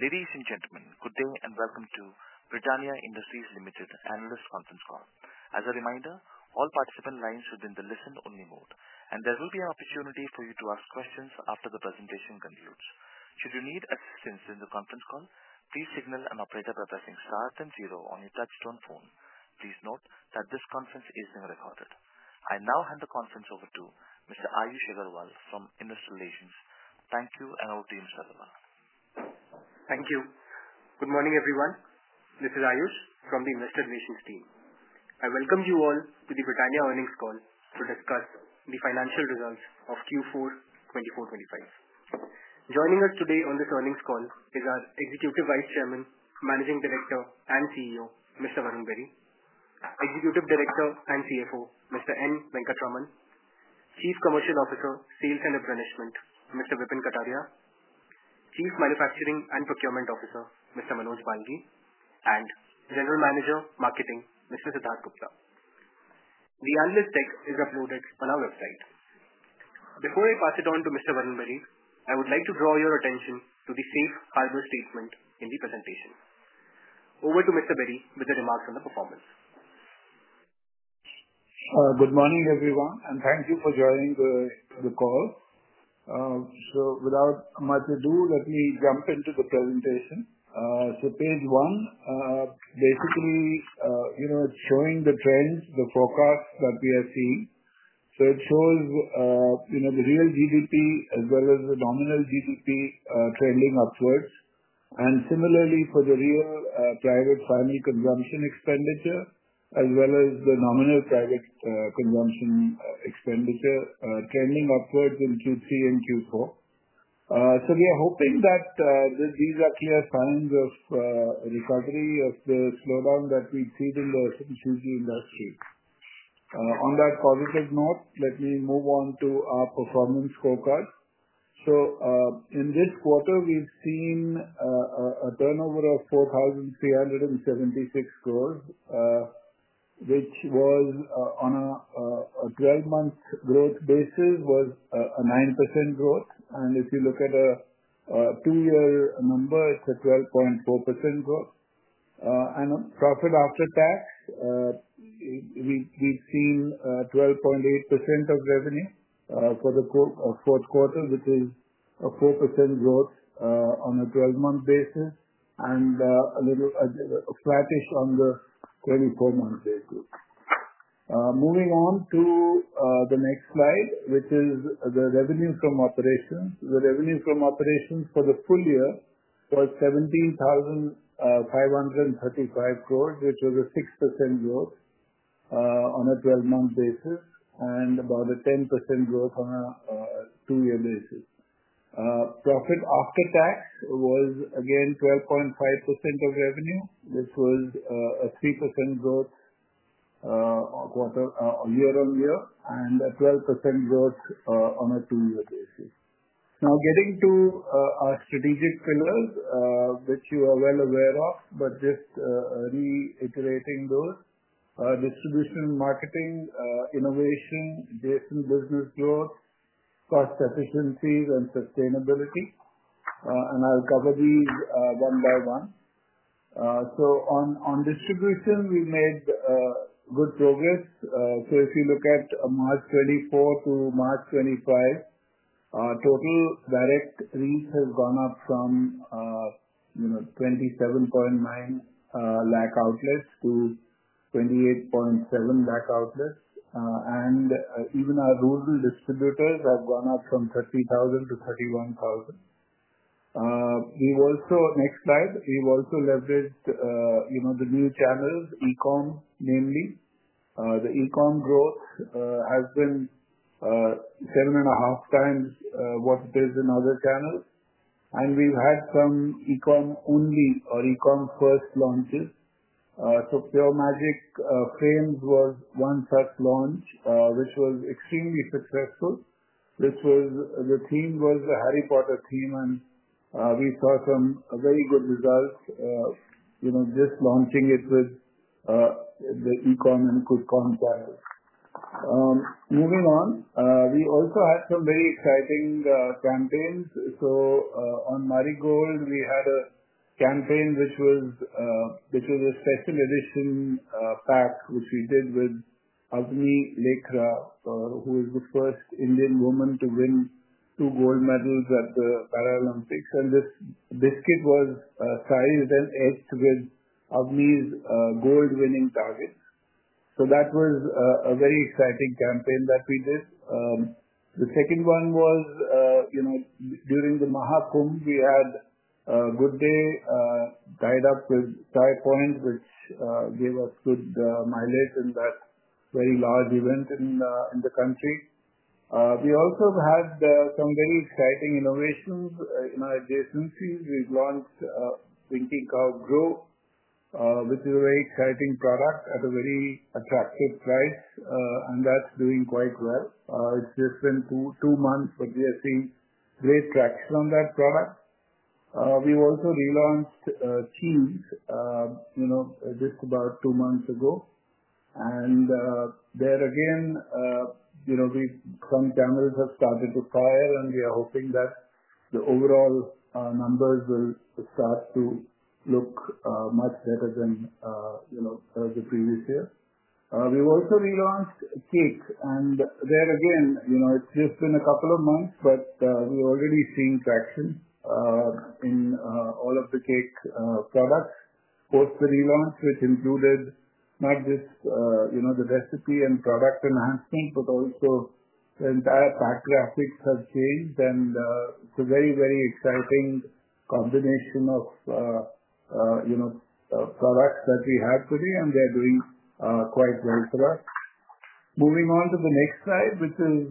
Ladies and gentlemen, good day and welcome to Britannia Industries Limited Analyst Conference Call. As a reminder, all participant lines should be in the listen-only mode, and there will be an opportunity for you to ask questions after the presentation concludes. Should you need assistance during the conference call, please signal an operator by pressing star then zero on your touchstone phone. Please note that this conference is being recorded. I now hand the conference over to Mr. Ayush Agarwal from Investor Relations. Thank you, and our team's farewell. Thank you. Good morning, everyone. This is Ayush from the Investor Relations team. I welcome you all to the Britannia earnings call to discuss the financial results of Q4 2024-2025. Joining us today on this earnings call is our Executive Vice Chairman, Managing Director, and CEO, Mr. Varun Berry, Executive Director and CFO, Mr. N. Venkataraman, Chief Commercial Officer, Sales and Marketing, Mr. Vipin Kataria, Chief Manufacturing and Procurement Officer, Mr. Manoj Balgi, and General Manager, Marketing, Mr. Siddharth Gupta. The analyst deck is uploaded on our website. Before I pass it on to Mr. Varun Berry, I would like to draw your attention to the safe harbor statement in the presentation. Over to Mr. Berry with the remarks on the performance. Good morning, everyone, and thank you for joining the call. Without much ado, let me jump into the presentation. Page one basically is showing the trends, the forecasts that we are seeing. It shows the real GDP as well as the nominal GDP trending upwards. Similarly, for the real private final consumption expenditure as well as the nominal private consumption expenditure trending upwards in Q3 and Q4. We are hoping that these are clear signs of recovery of the slowdown that we've seen in the subsidiary industry. On that positive note, let me move on to our performance scorecard. In this quarter, we've seen a turnover of 4,376 crore, which was, on a 12-month growth basis, a 9% growth. If you look at a two-year number, it's a 12.4% growth. Profit after tax, we've seen 12.8% of revenue for the fourth quarter, which is a 4% growth on a 12-month basis and a little flat-ish on the 24-month basis. Moving on to the next slide, which is the revenue from operations. The revenue from operations for the full year was 17,535 crore, which was a 6% growth on a 12-month basis and about a 10% growth on a two-year basis. Profit after tax was, again, 12.5% of revenue, which was a 3% growth year on year and a 12% growth on a two-year basis. Now, getting to our strategic pillars, which you are well aware of, but just reiterating those: distribution, marketing, innovation, JSON business growth, cost efficiencies, and sustainability. I'll cover these one by one. On distribution, we made good progress. If you look at March 2024 to March 2025, our total direct reach has gone up from 2.79 million outlets to 2.87 million outlets. Even our rural distributors have gone up from 30,000 to 31,000. Next slide. We have also leveraged the new channels, e-com, namely. The e-com growth has been seven and a half times what it is in other channels. We have had some e-com only or e-com first launches. Pure Magic Choco Frames was one such launch, which was extremely successful, which was the theme was the Harry Potter theme. We saw some very good results just launching it with the e-com and good content. Moving on, we also had some very exciting campaigns. On MariGold, we had a campaign which was a special edition pack, which we did with Agni Lakera, who is the first Indian woman to win two gold medals at the Paralympics. This biscuit was sized and etched with Agni's gold-winning targets. That was a very exciting campaign that we did. The second one was during the Maha Kumbh, we had Good Day tied up with Sky Point, which gave us good mileage in that very large event in the country. We also had some very exciting innovations in our adjacencies. We've launched Thinking Man's Grow, which is a very exciting product at a very attractive price, and that's doing quite well. It's just been two months, but we are seeing great traction on that product. We've also relaunched Cheese just about two months ago. There again, some channels have started to fire, and we are hoping that the overall numbers will start to look much better than the previous year. We have also relaunched Cake. There again, it has just been a couple of months, but we are already seeing traction in all of the Cake products post the relaunch, which included not just the recipe and product enhancement, but also the entire pack graphics have changed. It is a very, very exciting combination of products that we have today, and they are doing quite well for us. Moving on to the next slide, which is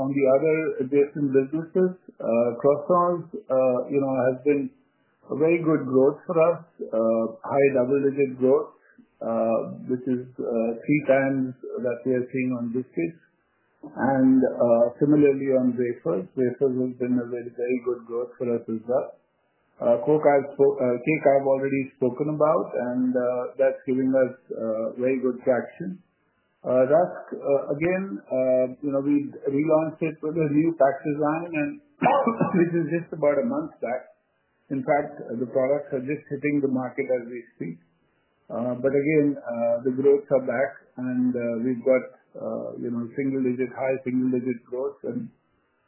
on the other adjacent businesses. Croissant has been a very good growth for us, high double-digit growth, which is three times that we are seeing on biscuits. Similarly, on Wafers, Wafers have been a very good growth for us as well. Cake I've already spoken about, and that's giving us very good traction. Rusk, again, we relaunched it with a new pack design, which is just about a month back. In fact, the products are just hitting the market as we speak. Again, the growths are back, and we've got high single-digit growth, and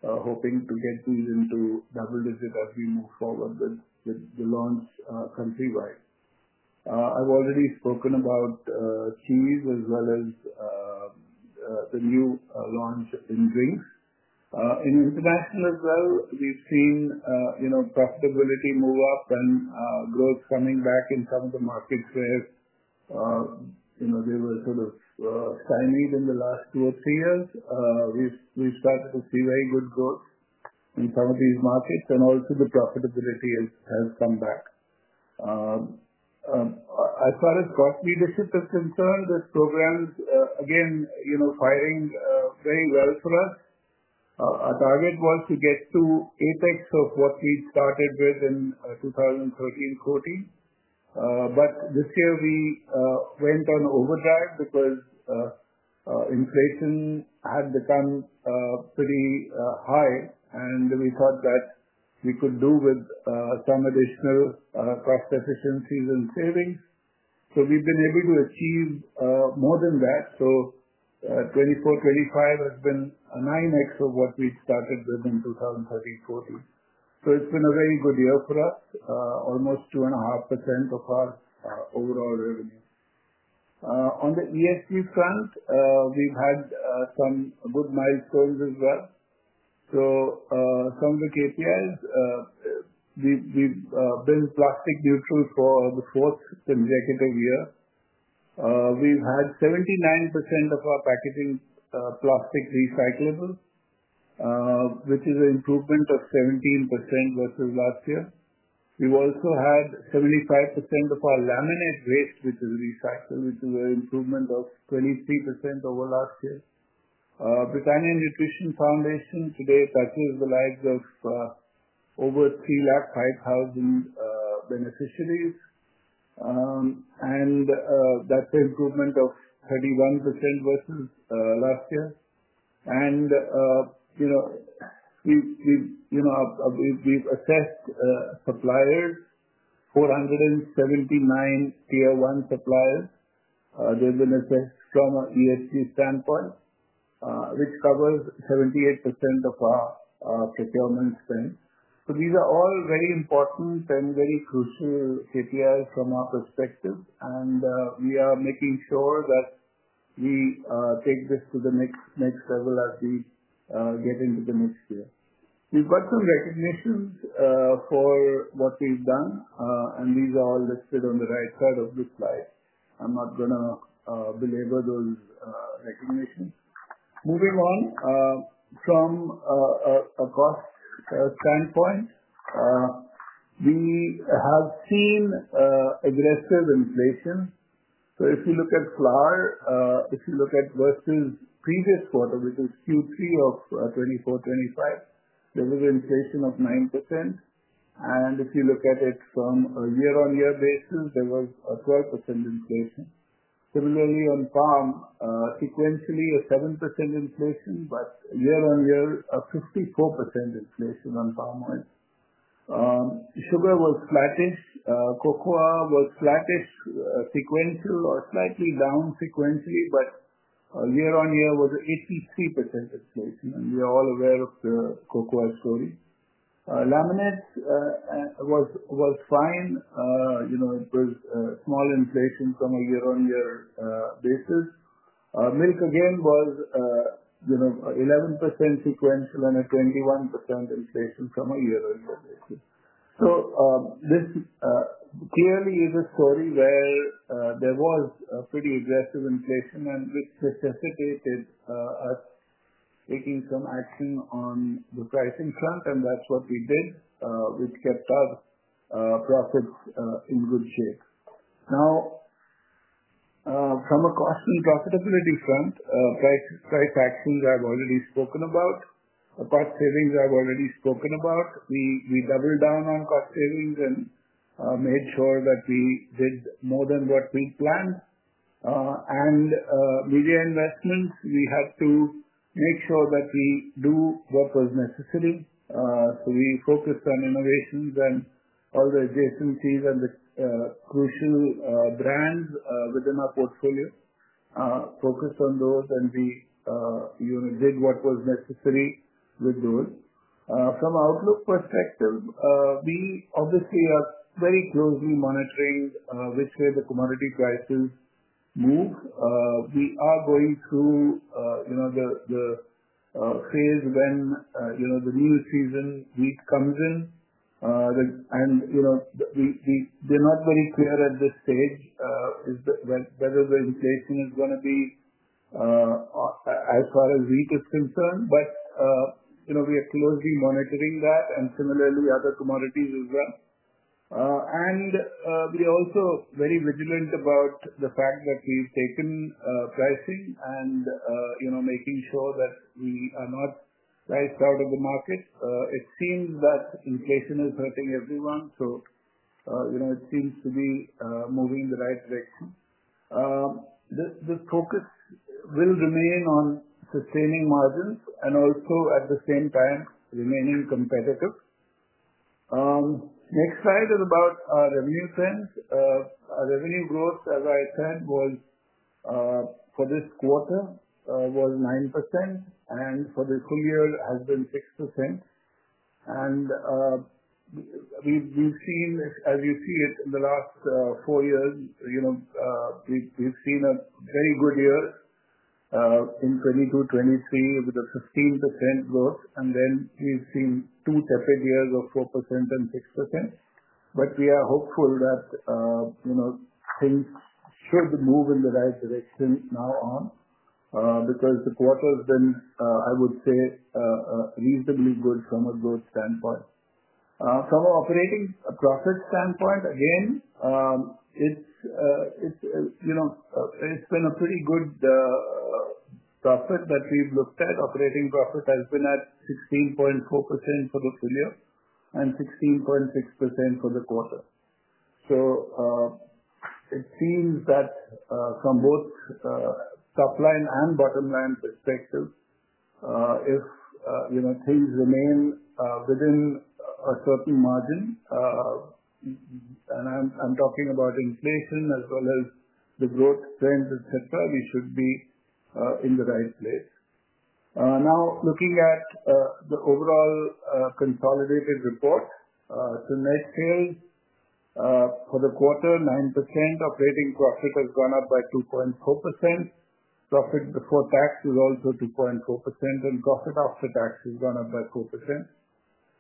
hoping to get these into double-digit as we move forward with the launch countrywide. I've already spoken about Cheese as well as the new launch in drinks. In international as well, we've seen profitability move up and growth coming back in some of the markets where they were sort of stymied in the last two or three years. We've started to see very good growth in some of these markets, and also the profitability has come back. As far as cost leadership is concerned, this program's, again, firing very well for us. Our target was to get to apex of what we started with in 2013, 2014. This year, we went on overdrive because inflation had become pretty high, and we thought that we could do with some additional cost efficiencies and savings. We have been able to achieve more than that. 2024-2025 has been a 9X of what we started with in 2013, 2014. It has been a very good year for us, almost 2.5% of our overall revenue. On the ESG front, we have had some good milestones as well. Some of the KPIs, we have been plastic neutral for the fourth consecutive year. We have had 79% of our packaging plastic recyclable, which is an improvement of 17% versus last year. We have also had 75% of our laminate waste, which is recycled, which is an improvement of 23% over last year. Britannia Nutrition Foundation today touches the lives of over 3,500 beneficiaries, and that's an improvement of 31% versus last year. We have assessed suppliers, 479 tier one suppliers. They have been assessed from an ESG standpoint, which covers 78% of our procurement spend. These are all very important and very crucial KPIs from our perspective, and we are making sure that we take this to the next level as we get into the next year. We have got some recognitions for what we have done, and these are all listed on the right side of the slide. I am not going to belabor those recognitions. Moving on, from a cost standpoint, we have seen aggressive inflation. If you look at flour, if you look at versus previous quarter, which was Q3 of 2024-2025, there was an inflation of 9%. If you look at it from a year-on-year basis, there was a 12% inflation. Similarly, on palm, sequentially a 7% inflation, but year-on-year a 54% inflation on palm oil. Sugar was flat-ish. Cocoa was flat-ish sequentially or slightly down sequentially, but year-on-year was an 83% inflation. We are all aware of the cocoa story. Laminates was fine. It was a small inflation from a year-on-year basis. Milk, again, was an 11% sequential and a 21% inflation from a year-on-year basis. This clearly is a story where there was pretty aggressive inflation, which necessitated us taking some action on the pricing front, and that's what we did, which kept our profits in good shape. Now, from a cost and profitability front, price actions I've already spoken about. Cost savings I've already spoken about. We doubled down on cost savings and made sure that we did more than what we'd planned. Media investments, we had to make sure that we do what was necessary. We focused on innovations and all the adjacencies and the crucial brands within our portfolio, focused on those, and we did what was necessary with those. From an outlook perspective, we obviously are very closely monitoring which way the commodity prices move. We are going through the phase when the new season wheat comes in. We're not very clear at this stage whether the inflation is going to be as far as wheat is concerned, but we are closely monitoring that and similarly other commodities as well. We are also very vigilant about the fact that we've taken pricing and making sure that we are not priced out of the market. It seems that inflation is hurting everyone, so it seems to be moving in the right direction. The focus will remain on sustaining margins and also, at the same time, remaining competitive. The next slide is about our revenue trends. Our revenue growth, as I said, for this quarter was 9%, and for the full year, has been 6%. We have seen, as you see it, in the last four years, we have seen a very good year in 2022-2023 with a 15% growth, and then we have seen two tepid years of 4% and 6%. We are hopeful that things should move in the right direction now on because the quarter has been, I would say, reasonably good from a growth standpoint. From an operating profit standpoint, again, it has been a pretty good profit that we have looked at. Operating profit has been at 16.4% for the full year and 16.6% for the quarter. It seems that from both top-line and bottom-line perspective, if things remain within a certain margin, and I'm talking about inflation as well as the growth trend, etc., we should be in the right place. Now, looking at the overall consolidated report, net sales for the quarter, 9%. Operating profit has gone up by 2.4%. Profit before tax is also 2.4%, and profit after tax has gone up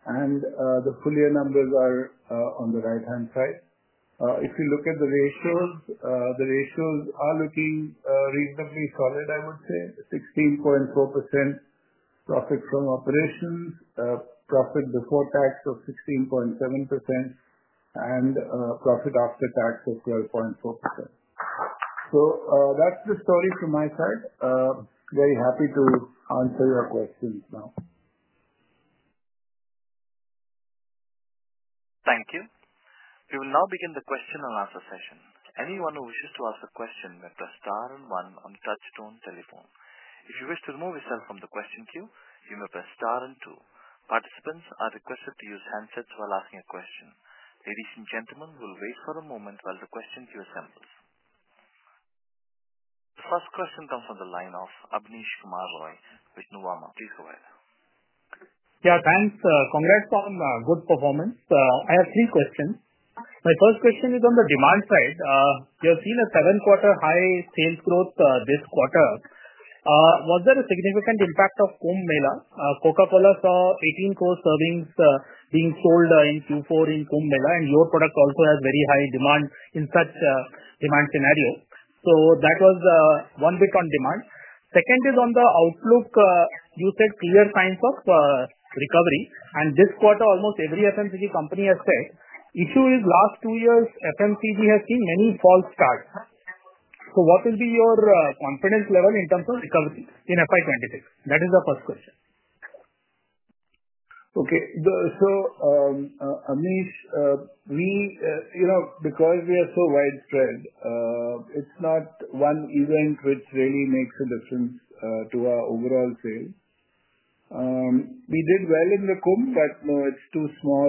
by 4%. The full year numbers are on the right-hand side. If you look at the ratios, the ratios are looking reasonably solid, I would say. 16.4% profit from operations, profit before tax of 16.7%, and profit after tax of 12.4%. That is the story from my side. Very happy to answer your questions now. Thank you. We will now begin the question and answer session. Anyone who wishes to ask a question may press star and one on the touchstone telephone. If you wish to remove yourself from the question queue, you may press star and two. Participants are requested to use handsets while asking a question. Ladies and gentlemen, we'll wait for a moment while the question queue assembles. The first question comes from the line of Abneesh Kumar Roy with Nuvama. Please go ahead. Yeah, thanks. Congrats on good performance. I have three questions. My first question is on the demand side. You have seen a seven-quarter high sales growth this quarter. Was there a significant impact of Kumbh Mela? Coca-Cola saw 18 crore servings being sold in Q4 in Kumbh Mela, and your product also has very high demand in such a demand scenario. That was one bit on demand. Second is on the outlook, you said clear signs of recovery. This quarter, almost every FMCG company has said, issue is last two years, FMCG has seen many false starts. What will be your confidence level in terms of recovery in FY 2026? That is the first question. Okay. Amit, because we are so widespread, it's not one event which really makes a difference to our overall sales. We did well in the Kumbh, but it's too small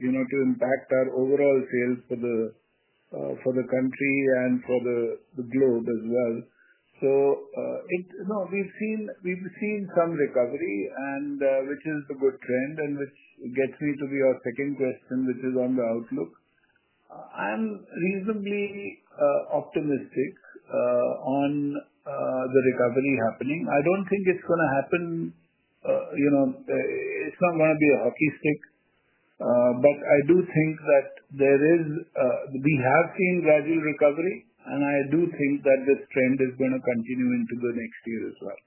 to impact our overall sales for the country and for the globe as well. We've seen some recovery, which is the good trend, and which gets me to your second question, which is on the outlook. I'm reasonably optimistic on the recovery happening. I don't think it's going to happen. It's not going to be a hockey stick, but I do think that we have seen gradual recovery, and I do think that this trend is going to continue into the next year as well.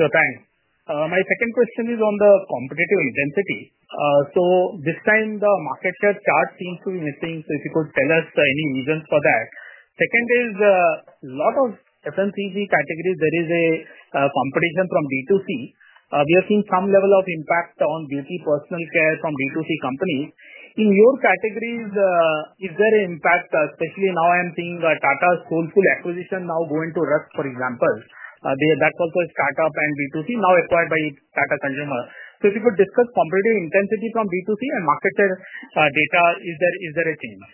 Thanks. My second question is on the competitive intensity. This time, the market share chart seems to be missing. If you could tell us any reasons for that. Second is, a lot of FMCG categories, there is competition from B2C. We have seen some level of impact on beauty, personal care from B2C companies. In your categories, is there an impact, especially now I'm seeing Tata Soulful acquisition now going to Rusk, for example? That's also a startup and B2C now acquired by Tata Consumer. If you could discuss competitive intensity from B2C and market share data, is there a change?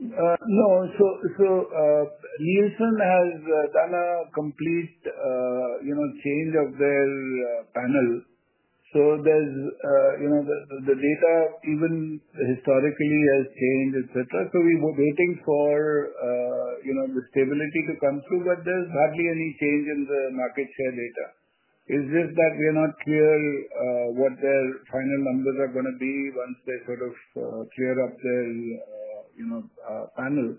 No. Nielsen has done a complete change of their panel. The data even historically has changed, etc. We were waiting for the stability to come through, but there is hardly any change in the market share data. It is just that we are not clear what their final numbers are going to be once they sort of clear up their panel.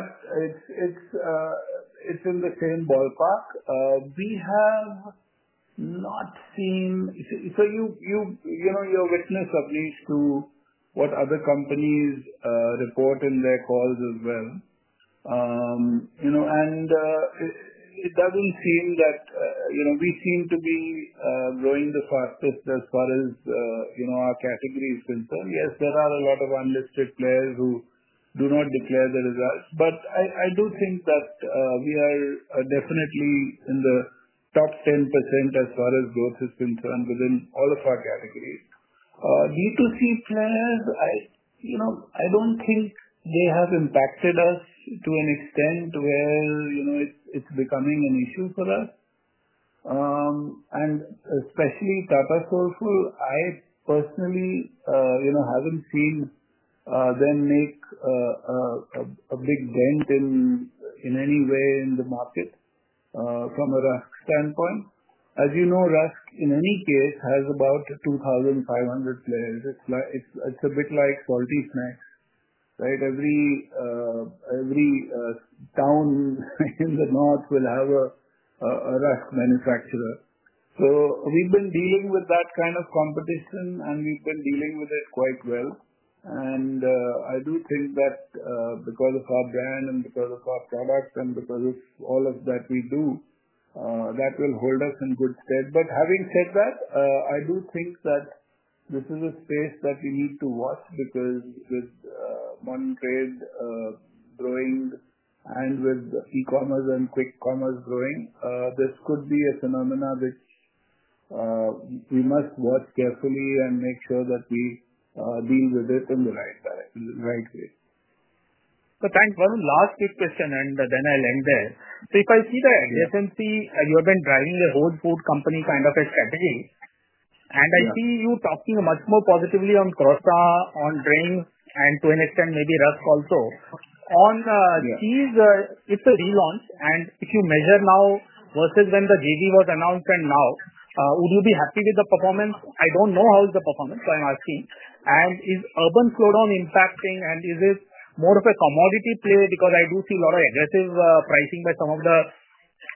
It is in the same ballpark. We have not seen, so you are a witness at least to what other companies report in their calls as well. It does not seem that we seem to be growing the fastest as far as our category is concerned. Yes, there are a lot of unlisted players who do not declare the results, but I do think that we are definitely in the top 10% as far as growth is concerned within all of our categories. B2C players, I don't think they have impacted us to an extent where it's becoming an issue for us. Especially Tata Soulful, I personally haven't seen them make a big dent in any way in the market from a Rusk standpoint. As you know, Rusk, in any case, has about 2,500 players. It's a bit like salty snacks, right? Every town in the north will have a Rusk manufacturer. We have been dealing with that kind of competition, and we have been dealing with it quite well. I do think that because of our brand and because of our product and because of all of that we do, that will hold us in good stead. Having said that, I do think that this is a space that we need to watch because with modern trade growing and with e-commerce and quick commerce growing, this could be a phenomenon which we must watch carefully and make sure that we deal with it in the right way. Thanks, Varun. Last quick question, and then I'll end there. If I see that FMCG, you have been driving a whole food company kind of a strategy, and I see you talking much more positively on Croissant, on drinks, and to an extent, maybe Rusk also. On cheese, it's a relaunch, and if you measure now versus when the JV was announced and now, would you be happy with the performance? I don't know how is the performance, so I'm asking. Is urban slowdown impacting, and is it more of a commodity play? Because I do see a lot of aggressive pricing by some of the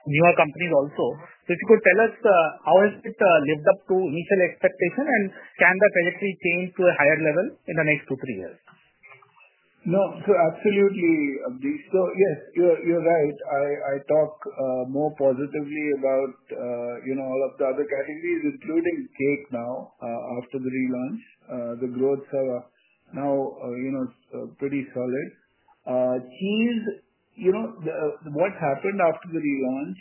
newer companies also. If you could tell us how has it lived up to initial expectation, and can the trajectory change to a higher level in the next two, three years? No. Absolutely, Abdi. Yes, you're right. I talk more positively about all of the other categories, including cake now after the relaunch. The growths are now pretty solid. Cheese, what's happened after the relaunch,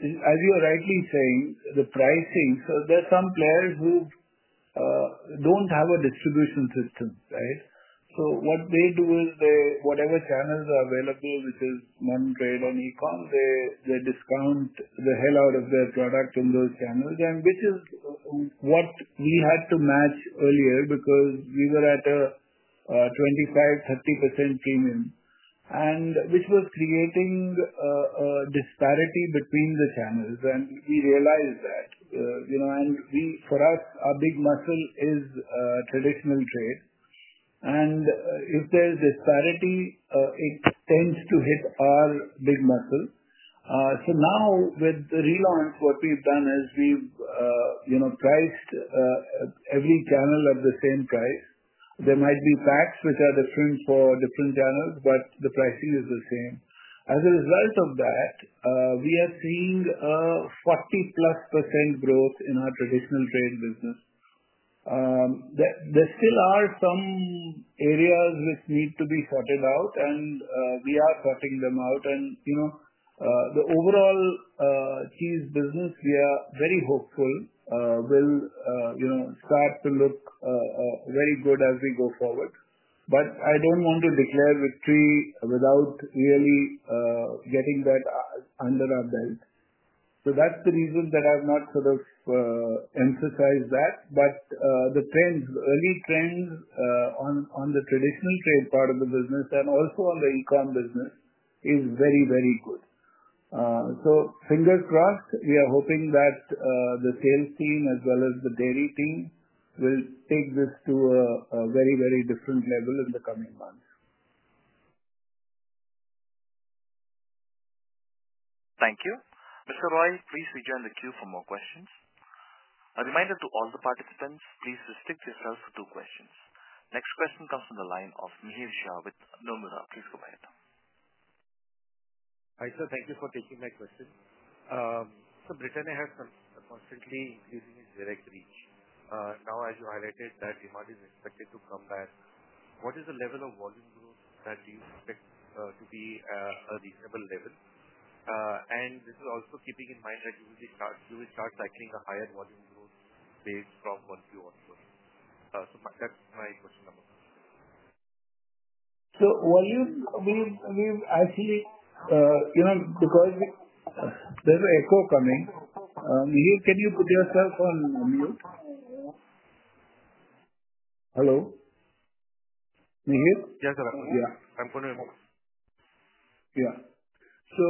as you're rightly saying, the pricing. There are some players who do not have a distribution system, right? What they do is whatever channels are available, which is modern trade and e-com, they discount the hell out of their product in those channels, which is what we had to match earlier because we were at a 25%-30% premium, which was creating a disparity between the channels, and we realized that. For us, our big muscle is traditional trade. If there's disparity, it tends to hit our big muscle. Now, with the relaunch, what we've done is we've priced every channel at the same price. There might be facts which are different for different channels, but the pricing is the same. As a result of that, we are seeing a 40% plus growth in our traditional trade business. There still are some areas which need to be sorted out, and we are sorting them out. The overall cheese business, we are very hopeful, will start to look very good as we go forward. I do not want to declare victory without really getting that under our belt. That is the reason that I have not sort of emphasized that. The trends, the early trends on the traditional trade part of the business and also on the e-com business, are very, very good. Fingers crossed, we are hoping that the sales team as well as the dairy team will take this to a very, very different level in the coming months. Thank you. Mr. Roy, please rejoin the queue for more questions. A reminder to all the participants, please restrict yourselves to two questions. Next question comes from the line of Mihir Shah with Nomura. Please go ahead. Hi sir, thank you for taking my question. Britannia has been constantly increasing its direct reach. Now, as you highlighted, that demand is expected to come back. What is the level of volume growth that you expect to be a reasonable level? This is also keeping in mind that you will start cycling a higher volume growth phase from monthly onwards. That is my question number one. So we've actually, because there's an echo coming, Mihir, can you put yourself on mute? Hello? Mihir? Yes, sir. I'm going to. Yeah. So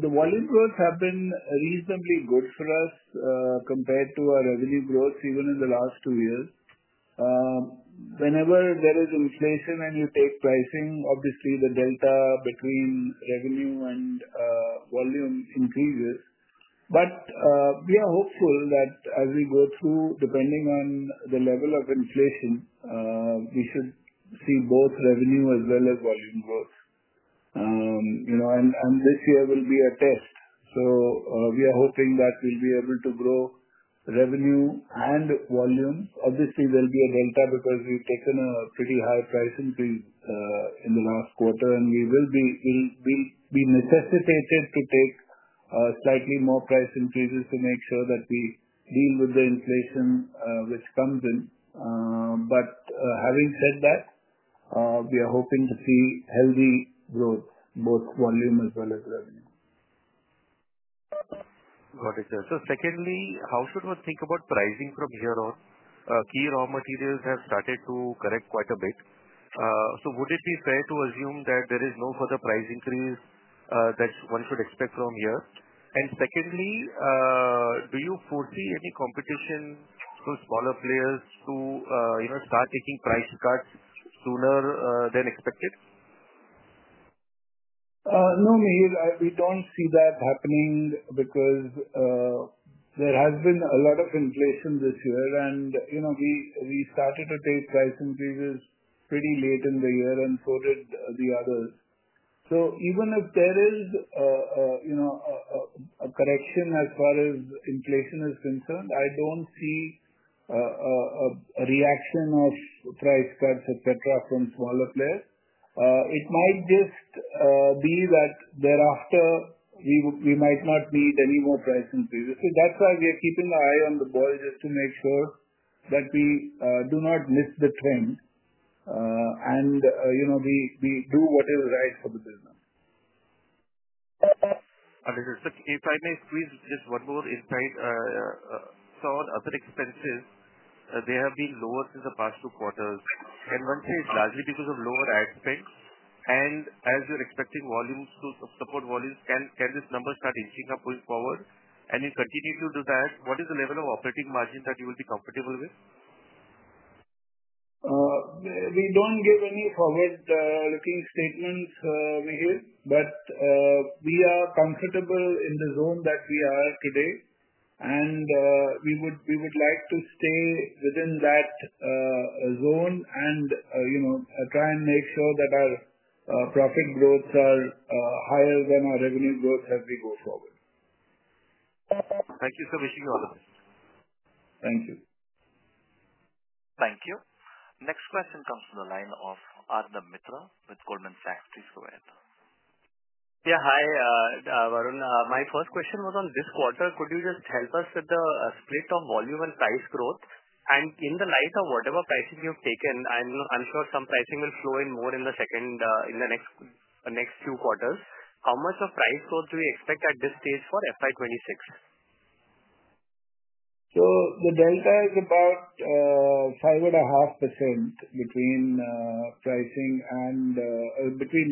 the volume growth has been reasonably good for us compared to our revenue growth even in the last two years. Whenever there is inflation and you take pricing, obviously the delta between revenue and volume increases. We are hopeful that as we go through, depending on the level of inflation, we should see both revenue as well as volume growth. This year will be a test. We are hoping that we'll be able to grow revenue and volume. Obviously, there'll be a delta because we've taken a pretty high price increase in the last quarter, and we will be necessitated to take slightly more price increases to make sure that we deal with the inflation which comes in. Having said that, we are hoping to see healthy growth, both volume as well as revenue. Got it, sir. Secondly, how should we think about pricing from here on? Key raw materials have started to correct quite a bit. Would it be fair to assume that there is no further price increase that one should expect from here? Secondly, do you foresee any competition from smaller players to start taking price cuts sooner than expected? No, Mihir, we don't see that happening because there has been a lot of inflation this year, and we started to take price increases pretty late in the year and so did the others. Even if there is a correction as far as inflation is concerned, I don't see a reaction of price cuts, etc., from smaller players. It might just be that thereafter we might not need any more price increases. That is why we are keeping our eye on the ball just to make sure that we do not miss the trend and we do what is right for the business. Understood. If I may squeeze just one more insight. On other expenses, they have been lower since the past two quarters. One says it is largely because of lower ad spend. As you are expecting support volumes, can this number start inching up going forward? If you continue to do that, what is the level of operating margin that you will be comfortable with? We do not give any forward-looking statements, Mihir, but we are comfortable in the zone that we are today, and we would like to stay within that zone and try and make sure that our profit growths are higher than our revenue growth as we go forward. Thank you so much. Thank you. Thank you. Next question comes from the line of Arnab Mitra with Goldman Sachs. Please go ahead. Yeah, hi, Varun. My first question was on this quarter. Could you just help us with the split of volume and price growth? In the light of whatever pricing you've taken, I'm sure some pricing will flow in more in the next few quarters. How much of price growth do you expect at this stage for FY 2026? The delta is about 5.5% between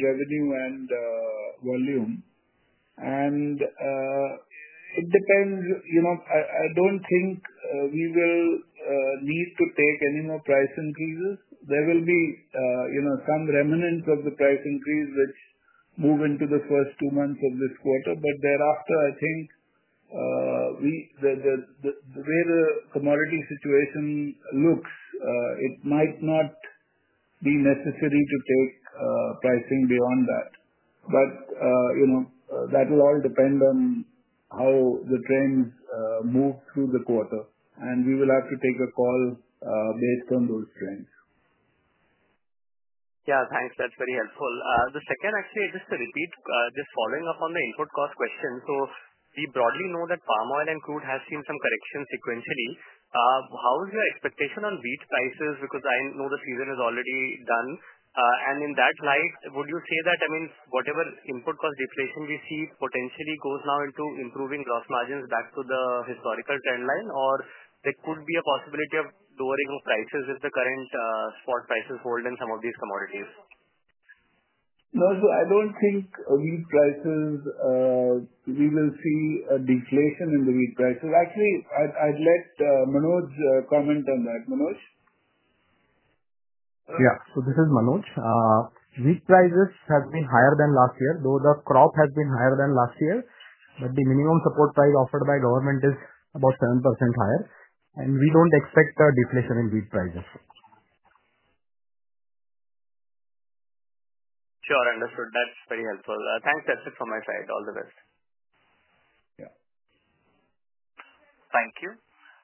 revenue and volume. It depends. I don't think we will need to take any more price increases. There will be some remnants of the price increase which move into the first two months of this quarter. Thereafter, I think the way the commodity situation looks, it might not be necessary to take pricing beyond that. That will all depend on how the trends move through the quarter, and we will have to take a call based on those trends. Yeah, thanks. That's very helpful. The second, actually, just to repeat, just following up on the input cost question. We broadly know that palm oil and crude have seen some corrections sequentially. How is your expectation on wheat prices? Because I know the season is already done. In that light, would you say that, I mean, whatever input cost deflation we see potentially goes now into improving gross margins back to the historical trend line, or there could be a possibility of lowering of prices if the current spot prices hold in some of these commodities? No, so I don't think wheat prices, we will see a deflation in the wheat prices. Actually, I'd let Manoj comment on that. Manoj? Yeah. This is Manoj. Wheat prices have been higher than last year, though the crop has been higher than last year. The minimum support price offered by government is about 7% higher. We do not expect a deflation in wheat prices. Sure. Understood. That's very helpful. Thanks. That's it from my side. All the best. Yeah. Thank you.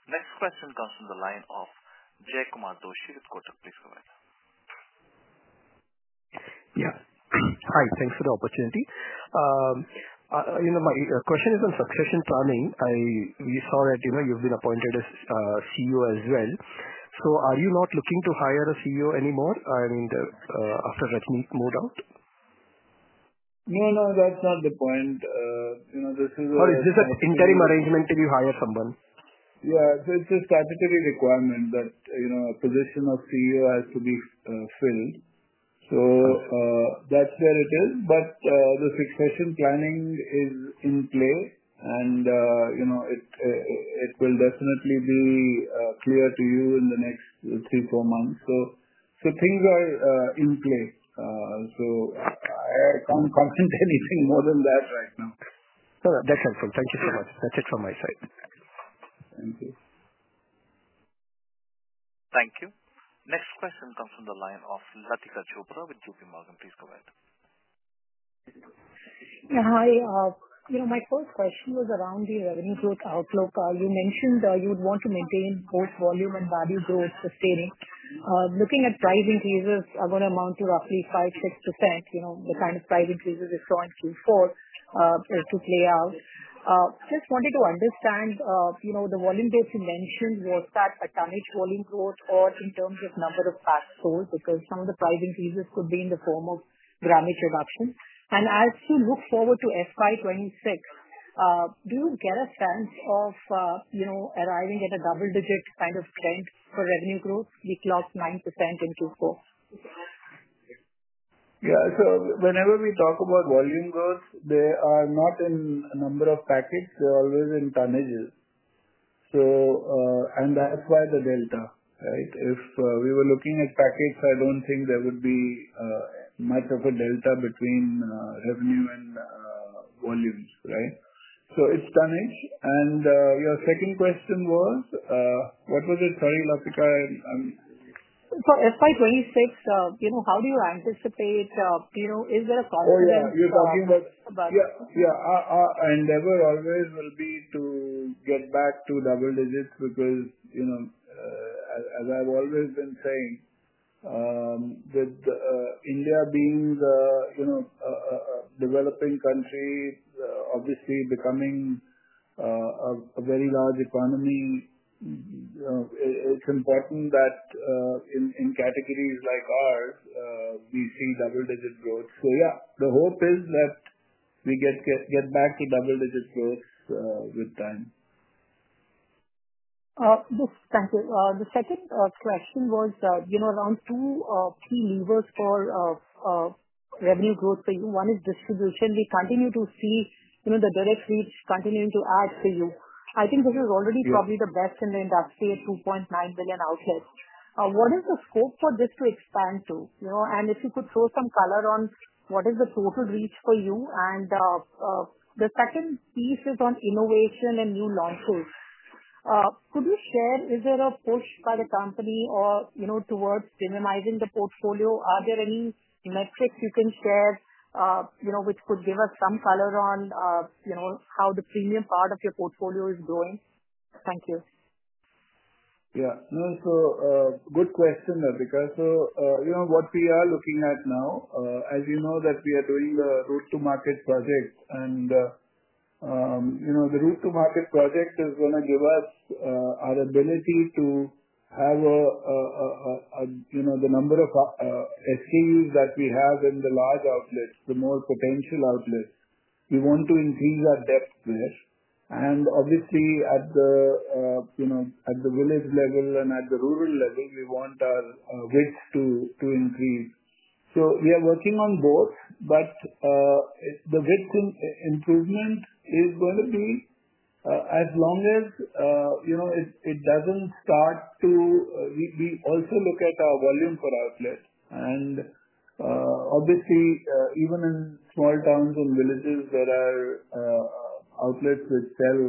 Next question comes from the line of Jaykumar Doshi with Kotak. Please go ahead. Yeah. Hi. Thanks for the opportunity. My question is on succession planning. We saw that you've been appointed as CEO as well. Are you not looking to hire a CEO anymore, I mean, after Ratneet moved out? No, no, that's not the point. This is a. Or is this an interim arrangement till you hire someone? Yeah. It is a statutory requirement that a position of CEO has to be filled. That is where it is. The succession planning is in play, and it will definitely be clear to you in the next three or four months. Things are in place. I cannot comment anything more than that right now. That's helpful. Thank you so much. That's it from my side. Thank you. Thank you. Next question comes from the line of Latika Chopra with JP Morgan. Please go ahead. Yeah, hi. My first question was around the revenue growth outlook. You mentioned you would want to maintain both volume and value growth sustaining. Looking at price increases, I'm going to amount to roughly 5-6%. The kind of price increases we saw in Q4 to play out. Just wanted to understand the volume that you mentioned, was that a tonnage volume growth or in terms of number of packs sold? Because some of the price increases could be in the form of grammage reduction. As you look forward to FY 2026, do you get a sense of arriving at a double-digit kind of trend for revenue growth? We clocked 9% in Q4. Yeah. Whenever we talk about volume growth, they are not in number of packets. They are always in tonnages. That is why the delta, right? If we were looking at packets, I do not think there would be much of a delta between revenue and volumes, right? It is tonnage. Your second question was, what was it? Sorry, Latika. For FY26, how do you anticipate? Is there a confidence? Oh, you're talking about. Yeah. There always will be to get back to double digits because, as I've always been saying, with India being the developing country, obviously becoming a very large economy, it's important that in categories like ours, we see double-digit growth. Yeah, the hope is that we get back to double-digit growth with time. Thank you. The second question was around two key levers for revenue growth for you. One is distribution. We continue to see the direct reach continuing to add for you. I think this is already probably the best in the industry at 2.9 million outlets. What is the scope for this to expand to? If you could throw some color on what is the total reach for you? The second piece is on innovation and new launches. Could you share? Is there a push by the company towards minimizing the portfolio? Are there any metrics you can share which could give us some color on how the premium part of your portfolio is growing? Thank you. Yeah. No, good question, Latika. What we are looking at now, as you know, is that we are doing the route-to-market project. The route-to-market project is going to give us our ability to have the number of SKUs that we have in the large outlets, the more potential outlets. We want to increase our depth there. Obviously, at the village level and at the rural level, we want our width to increase. We are working on both, but the width improvement is going to be as long as it does not start to—we also look at our volume per outlet. Obviously, even in small towns and villages, there are outlets which sell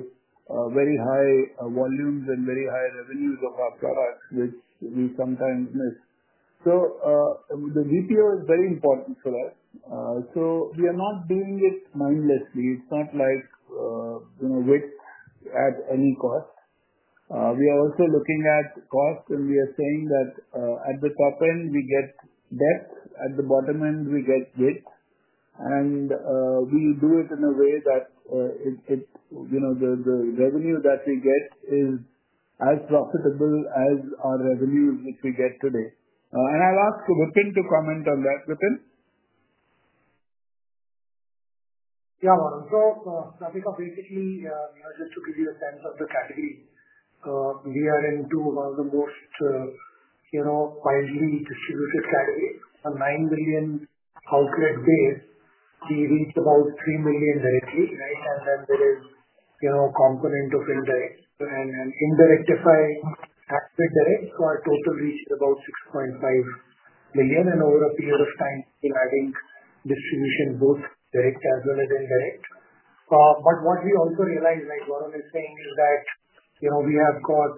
very high volumes and very high revenues of our products, which we sometimes miss. The VPO is very important for us. We are not doing it mindlessly. It's not like width at any cost. We are also looking at cost, and we are saying that at the top end, we get depth. At the bottom end, we get width. We do it in a way that the revenue that we get is as profitable as our revenues which we get today. I'll ask Vipin to comment on that. Vipin? Yeah, Varun. Latika, basically, just to give you a sense of the category, we are into one of the most widely distributed categories. On a 9 million outlet base, we reach about 3 million directly, right? Then there is a component of indirect. If I add the direct, our total reach is about 6.5 million. Over a period of time, we're adding distribution, both direct as well as indirect. What we also realized, like Varun is saying, is that we have got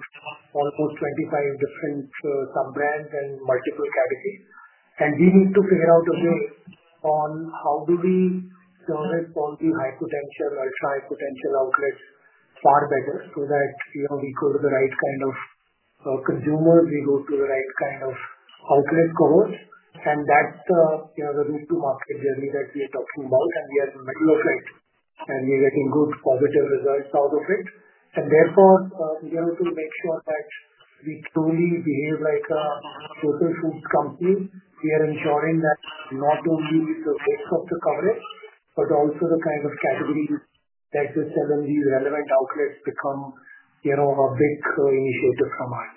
almost 25 different sub-brands and multiple categories. We need to figure out a way on how do we service all the high-potential, ultra-high-potential outlets far better so that we go to the right kind of consumers, we go to the right kind of outlet covers. That's the route-to-market journey that we are talking about. We are in the middle of it, and we are getting good positive results out of it. Therefore, we have to make sure that we truly behave like a total food company. We are ensuring that not only the width of the coverage, but also the kind of categories that the 7G relevant outlets become a big initiative from our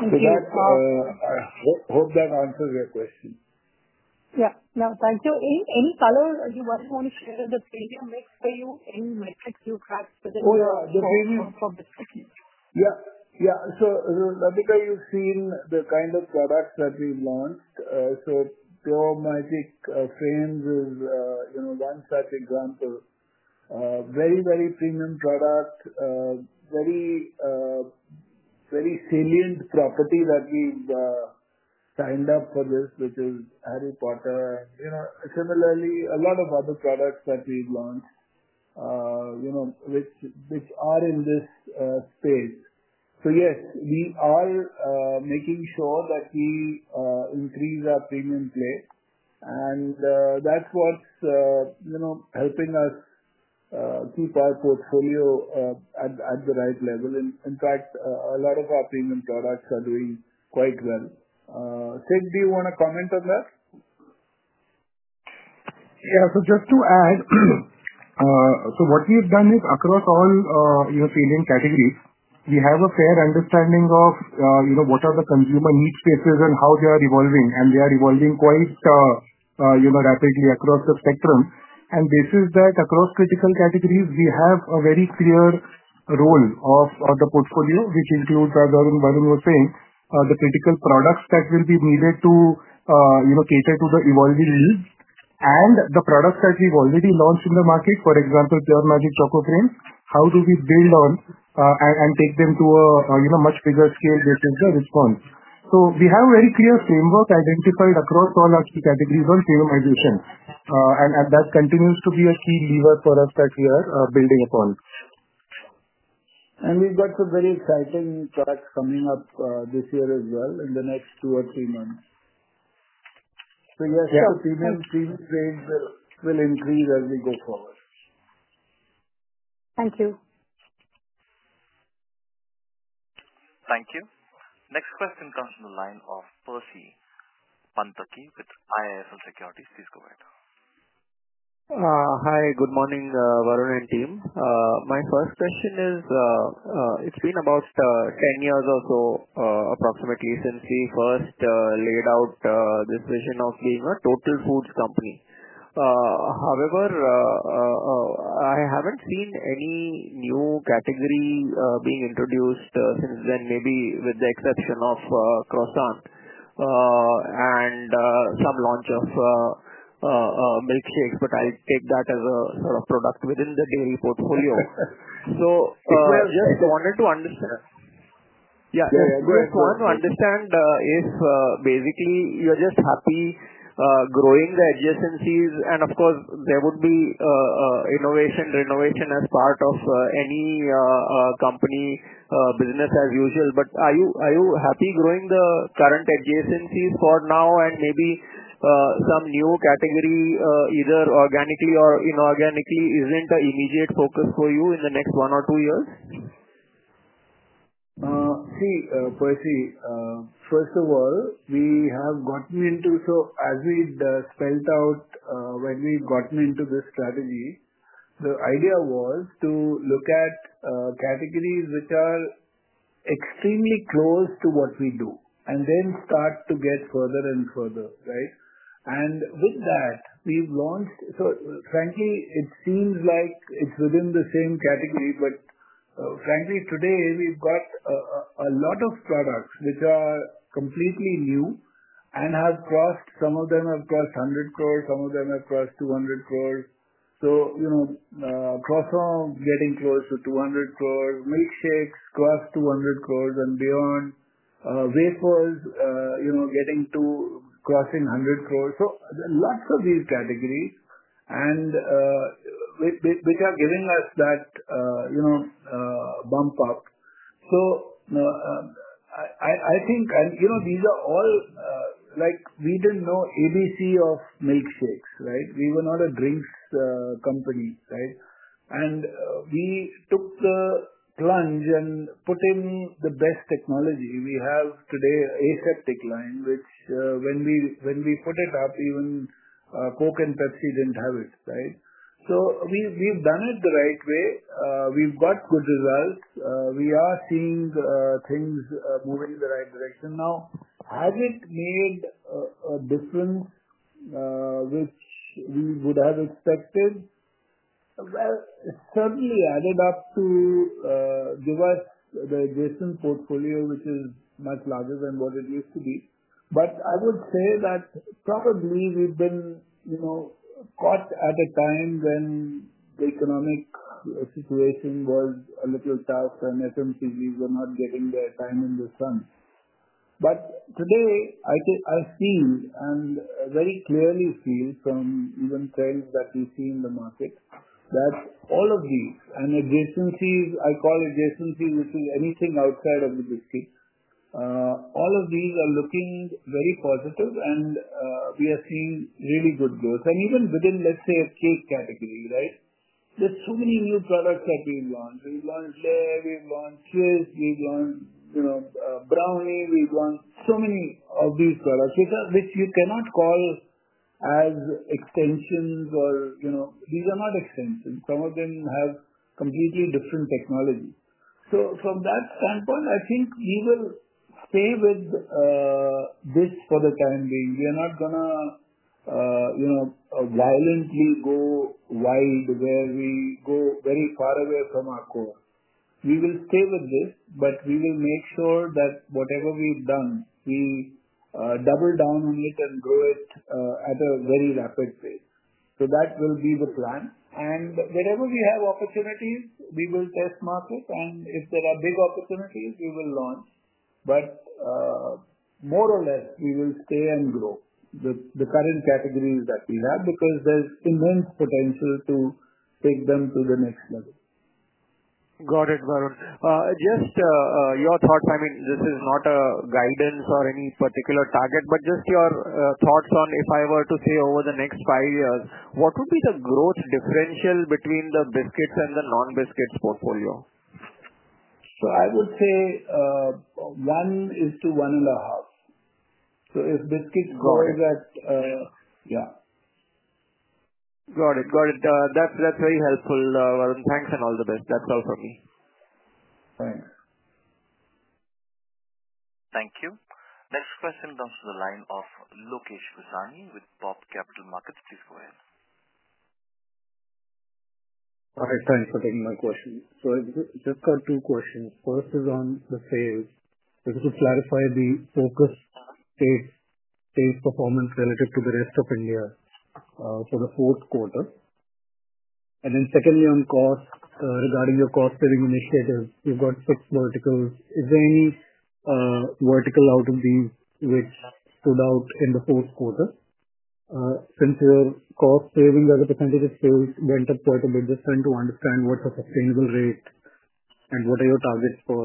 side. Hope that answers your question. Yeah. No, thank you. Any color? You want to share the premium mix for you? Any metrics you track for the premium from this segment? Yeah. Yeah. Latika, you've seen the kind of products that we've launched. Pure Magic Choco Frames is one such example. Very, very premium product, very salient property that we've signed up for this, which is Harry Potter. Similarly, a lot of other products that we've launched which are in this space. Yes, we are making sure that we increase our premium play. That's what's helping us keep our portfolio at the right level. In fact, a lot of our premium products are doing quite well. Sid, do you want to comment on that? Yeah. So just to add, what we have done is across all your salient categories, we have a fair understanding of what are the consumer needs bases and how they are evolving. They are evolving quite rapidly across the spectrum. This is that across critical categories, we have a very clear role of the portfolio, which includes, as Varun was saying, the critical products that will be needed to cater to the evolving needs and the products that we have already launched in the market, for example, Pure Magic Choco Frames. How do we build on and take them to a much bigger scale? This is the response. We have a very clear framework identified across all our key categories on premiumization. That continues to be a key lever for us that we are building upon. We have got some very exciting products coming up this year as well in the next two or three months. Yes, the premium range will increase as we go forward. Thank you. Thank you. Next question comes from the line of Percy Panthaki with IIFL Securities. Please go ahead. Hi. Good morning, Varun and team. My first question is, it's been about 10 years or so approximately since we first laid out this vision of being a total foods company. However, I haven't seen any new category being introduced since then, maybe with the exception of croissant and some launch of milkshakes, but I'll take that as a sort of product within the dairy portfolio. So I wanted to understand. Yeah. Yeah. I just want to understand if basically you're just happy growing the adjacencies. Of course, there would be innovation, renovation as part of any company business as usual. Are you happy growing the current adjacencies for now and maybe some new category, either organically or inorganically, isn't an immediate focus for you in the next one or two years? See, Percy, first of all, we have gotten into, so as we spelled out when we got into this strategy, the idea was to look at categories which are extremely close to what we do and then start to get further and further, right? With that, we've launched, so frankly, it seems like it's within the same category. But frankly, today, we've got a lot of products which are completely new and have crossed, some of them have crossed 1 billion, some of them have crossed 2 billion. Croissant getting close to 2 billion, milkshakes crossed 2 billion and beyond, wafers getting to crossing 1 billion. Lots of these categories are giving us that bump up. I think, and these are all, we didn't know ABC of milkshakes, right? We were not a drinks company, right? We took the plunge and put in the best technology. We have today an aseptic line, which when we put it up, even Coke and Pepsi did not have it, right? We have done it the right way. We have got good results. We are seeing things moving in the right direction. Has it made a difference which we would have expected? It certainly added up to give us the adjacent portfolio, which is much larger than what it used to be. I would say that probably we have been caught at a time when the economic situation was a little tough and FMCGs were not getting their time in the sun. Today, I feel and very clearly feel from even trends that we see in the market that all of these and adjacencies, I call adjacencies, which is anything outside of the biscuits, all of these are looking very positive. We are seeing really good growth. Even within, let's say, a cake category, right? There are so many new products that we've launched. We've launched layer, we've launched Swiss, we've launched brownie, we've launched so many of these products, which you cannot call as extensions or these are not extensions. Some of them have completely different technologies. From that standpoint, I think we will stay with this for the time being. We are not going to violently go wide where we go very far away from our core. We will stay with this, but we will make sure that whatever we've done, we double down on it and grow it at a very rapid pace. That will be the plan. Wherever we have opportunities, we will test market. If there are big opportunities, we will launch. More or less, we will stay and grow the current categories that we have because there is immense potential to take them to the next level. Got it, Varun. Just your thoughts. I mean, this is not a guidance or any particular target, but just your thoughts on if I were to say over the next five years, what would be the growth differential between the biscuits and the non-biscuits portfolio? I would say one is to one and a half. If biscuits grow at. Growth. Yeah. Got it. Got it. That's very helpful, Varun. Thanks and all the best. That's all from me. Thanks. Thank you. Next question comes from the line of Lokesh Gusain with BOB Capital Markets. Please go ahead. Sorry. Thanks for taking my question. I just got two questions. First is on the sales. If you could clarify the focus stage performance relative to the rest of India for the fourth quarter. Secondly, on cost, regarding your cost-saving initiatives, you've got six verticals. Is there any vertical out of these which stood out in the fourth quarter? Since your cost-saving as a percentage of sales went up quite a bit, just trying to understand what's a sustainable rate and what are your targets for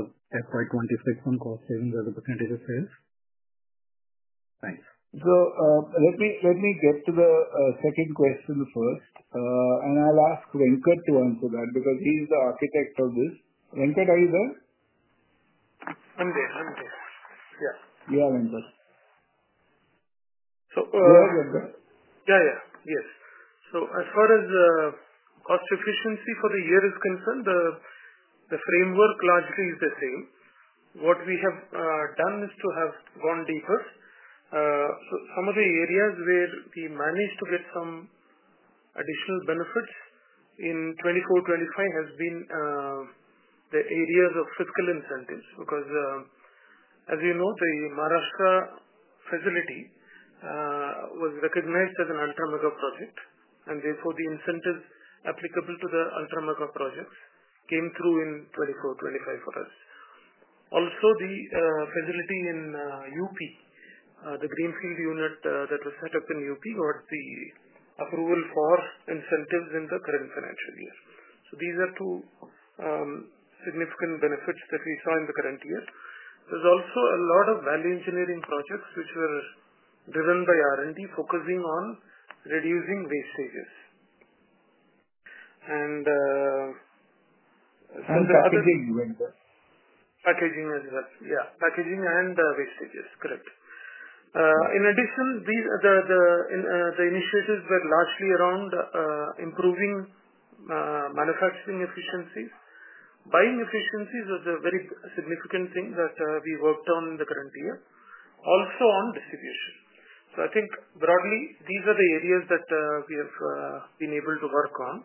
FY2026 on cost-saving as a percentage of sales? Thanks. Let me get to the second question first. I'll ask Venkat to answer that because he's the architect of this. Venkat, are you there? I'm there. I'm there. Yeah. You are, Venkat. You are, Venkat? Yeah, yeah. Yes. As far as cost efficiency for the year is concerned, the framework largely is the same. What we have done is to have gone deeper. Some of the areas where we managed to get some additional benefits in 2024-2025 have been the areas of fiscal incentives because, as you know, the Maharashtra facility was recognized as an ultra-mega project. Therefore, the incentives applicable to the ultra-mega projects came through in 2024-2025 for us. Also, the facility in Uttar Pradesh, the greenfield unit that was set up in Uttar Pradesh, got the approval for incentives in the current financial year. These are two significant benefits that we saw in the current year. There is also a lot of value engineering projects which were driven by R&D focusing on reducing wastages. And. Packaging, Venkat. Packaging as well. Yeah. Packaging and wastages. Correct. In addition, the initiatives were largely around improving manufacturing efficiencies. Buying efficiencies was a very significant thing that we worked on in the current year. Also on distribution. I think broadly, these are the areas that we have been able to work on.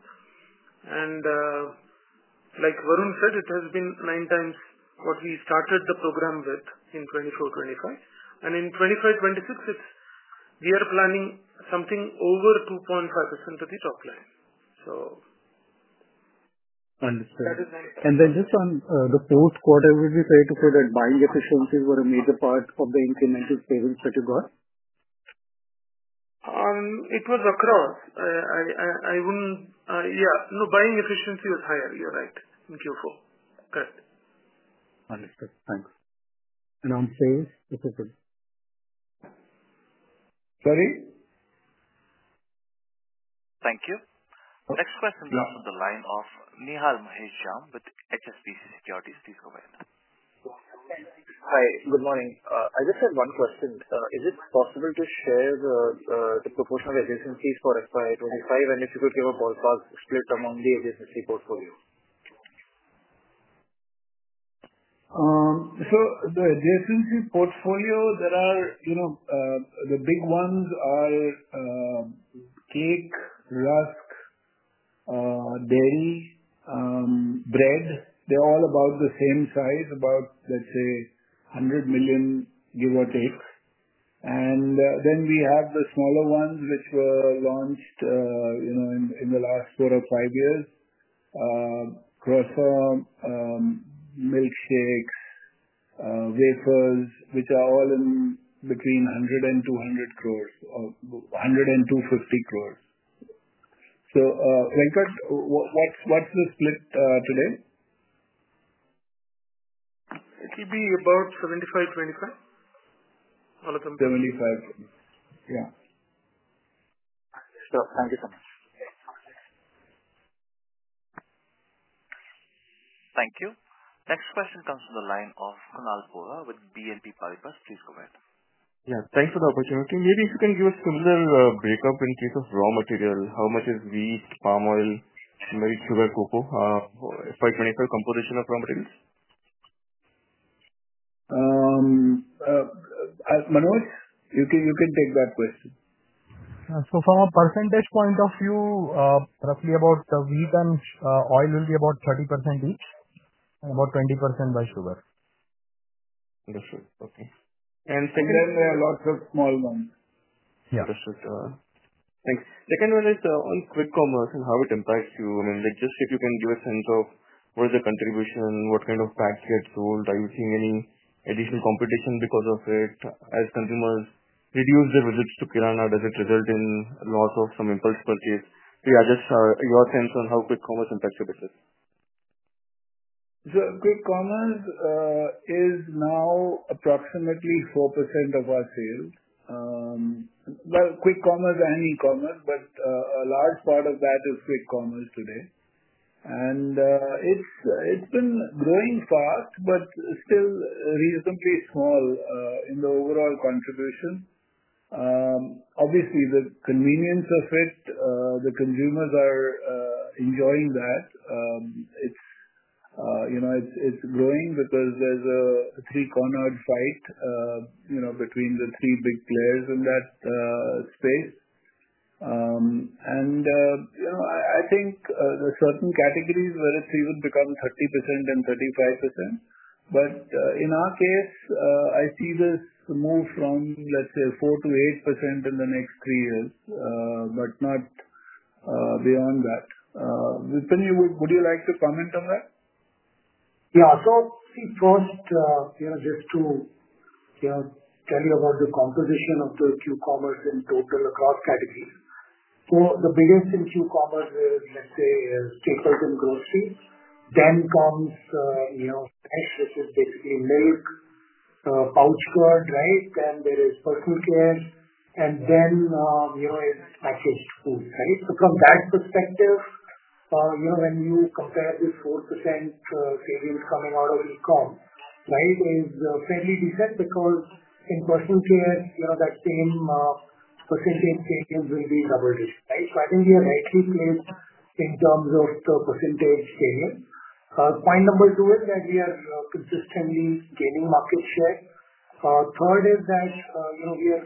Like Varun said, it has been nine times what we started the program with in 2024-2025. In 2025-2026, we are planning something over 2.5% of the top line. Understood. And then just on the fourth quarter, would you say to say that buying efficiencies were a major part of the incremental savings that you got? It was across. Yeah. No, buying efficiency was higher. You're right. Thank you for that. Understood. Thanks. On sales, this is it. Sorry? Thank you. Next question comes from the line of Nihal Mahesh Jham with HSBC Securities. Please go ahead. Hi. Good morning. I just have one question. Is it possible to share the proportion of adjacencies for FY 2025 and if you could give a ballpark split among the adjacency portfolio? The adjacency portfolio, there are the big ones are cake, rusk, dairy, bread. They're all about the same size, about, let's say, $100 million give or take. And then we have the smaller ones which were launched in the last four or five years: croissant, milkshakes, wafers, which are all in between INR 100-200 crore, INR 100-250 crore. Venkat, what's the split today? It will be about 75-25. 75. Yeah. Thank you so much. Thank you. Next question comes from the line of Kunal Vora with BNP Paribas. Please go ahead. Yeah. Thanks for the opportunity. Maybe if you can give a similar breakup in case of raw material, how much is wheat, palm oil, marine sugar, cocoa? FY2025 composition of raw materials? Manoj, you can take that question. From a percentage point of view, roughly about the wheat and oil will be about 30% each and about 20% by sugar. Understood. Okay. And Sindhar are lots of small ones. Yeah. Understood. Thanks. Second one is on quick commerce and how it impacts you. I mean, just if you can give a sense of what is the contribution, what kind of packs get sold, are you seeing any additional competition because of it? As consumers reduce their visits to Kirana, does it result in loss of some impulse purchase? Yeah, just your sense on how quick commerce impacts your business. Quick commerce is now approximately 4% of our sales. Quick commerce and e-commerce, but a large part of that is quick commerce today. It has been growing fast, but still reasonably small in the overall contribution. Obviously, the convenience of it, the consumers are enjoying that. It is growing because there is a three-cornered fight between the three big players in that space. I think there are certain categories where it even becomes 30% and 35%. In our case, I see this move from, let's say, 4% to 8% in the next three years, but not beyond that. Vipin, would you like to comment on that? Yeah. See, first, just to tell you about the composition of the Q-commerce in total across categories. The biggest in Q-commerce is, let's say, staples and groceries. Then comes fresh, which is basically milk, pouch card, right? Then there is personal care. Then it is packaged food, right? From that perspective, when you compare this 4% savings coming out of e-com, right, it is fairly decent because in personal care, that same percentage savings will be double it, right? I think we are rightly placed in terms of the percentage savings. Point number two is that we are consistently gaining market share. Third is that we are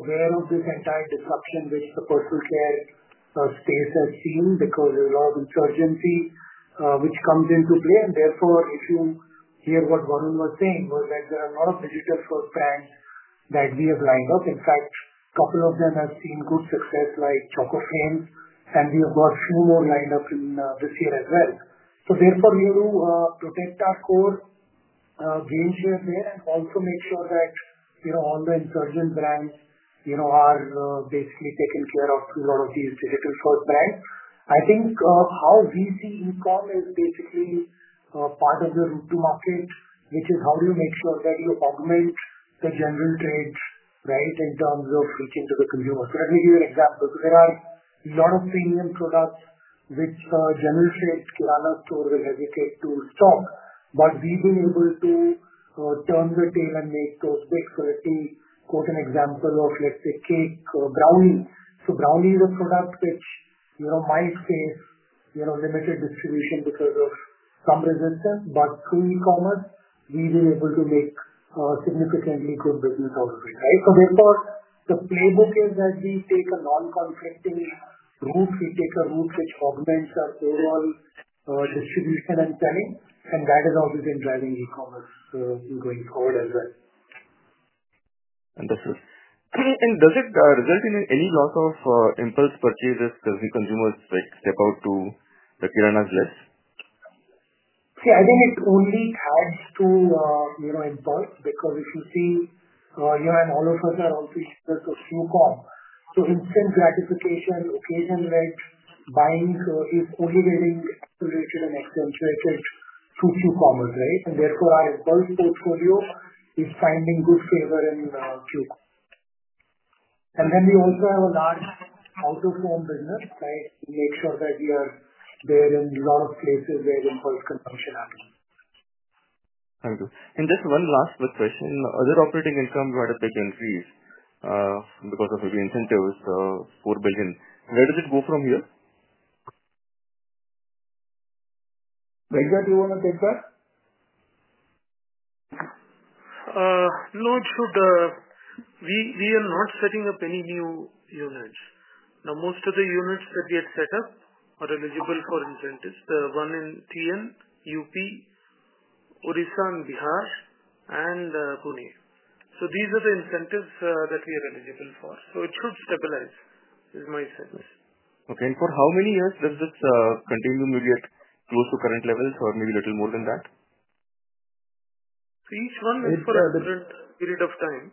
aware of this entire disruption which the personal care space has seen because there is a lot of insurgency which comes into play. Therefore, if you hear what Varun was saying, there are a lot of digital first brands that we have lined up. In fact, a couple of them have seen good success like Choco Frames. We have got a few more lined up this year as well. We will protect our core, gain share there, and also make sure that all the insurgent brands are basically taken care of through a lot of these digital first brands. I think how we see e-com is basically part of the route to market, which is how do you make sure that you augment the general trade, right, in terms of reaching to the consumers. Let me give you an example. There are a lot of premium products which general trade, Kirana Store will hesitate to stock. We have been able to turn the tale and make those big. Let me quote an example of, let's say, cake, brownie. Brownie is a product which might face limited distribution because of some resistance. Through e-commerce, we have been able to make significantly good business out of it, right? Therefore, the playbook is that we take a non-conflicting route. We take a route which augments our overall distribution and selling. That is how we have been driving e-commerce going forward as well. Understood. Does it result in any loss of impulse purchases as the consumers step out to the Kirana's list? See, I think it only adds to impulse because if you see here and all of us are also users of Q-com. Instant gratification, occasion-led buying is only getting accelerated and accentuated through Q-com, right? Therefore, our impulse portfolio is finding good favor in Q-com. We also have a large out-of-home business, right? We make sure that we are there in a lot of places where impulse consumption happens. Thank you. Just one last quick question. Other operating income got a big increase because of maybe incentives, 4 billion. Where does it go from here? Venkat, you want to take that? No, it should. We are not setting up any new units. Now, most of the units that we had set up are eligible for incentives. The one in T.N., U.P., Odisha, Bihar, and Pune. These are the incentives that we are eligible for. It should stabilize, is my sense. Okay. For how many years does this continue? Maybe at close to current levels or maybe a little more than that? Each one is for a different period of time.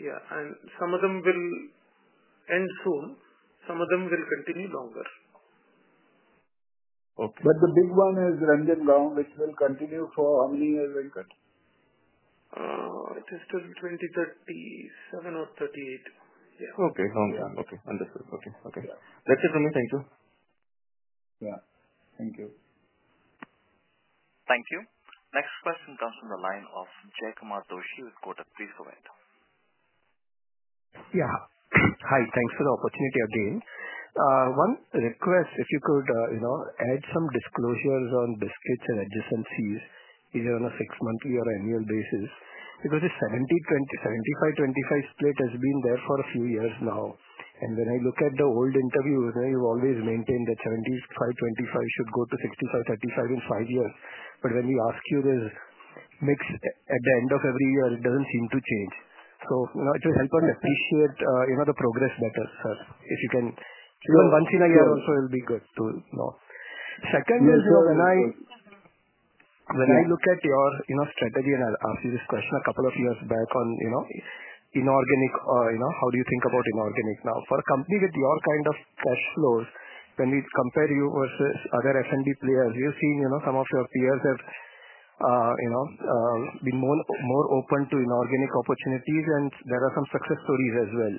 Yeah. Some of them will end soon. Some of them will continue longer. But the big one is Ranjangaon, which will continue for how many years, Venkat? It is till 2037 or 2038. Yeah. Okay. Long term. Okay. Understood. Okay. Okay. That's it from me. Thank you. Yeah. Thank you. Thank you. Next question comes from the line of Jay Kumar Doshi with Kotak. Please go ahead. Yeah. Hi. Thanks for the opportunity again. One request, if you could add some disclosures on biscuits and adjacencies either on a six-monthly or annual basis because the 70, 20, 75, 25 split has been there for a few years now. When I look at the old interviews, you've always maintained that 75, 25 should go to 65, 35 in five years. When we ask you this mix at the end of every year, it does not seem to change. It will help us appreciate the progress better, sir, if you can. Even once in a year also will be good to know. Second is when I look at your strategy and I asked you this question a couple of years back on inorganic, how do you think about inorganic now? For a company with your kind of cash flows, when we compare you versus other F&B players, we have seen some of your peers have been more open to inorganic opportunities, and there are some success stories as well.